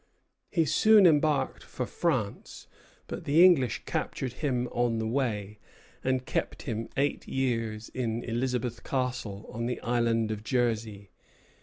He soon embarked for France; but the English captured him on the way, and kept him eight years in Elizabeth Castle, on the Island of Jersey.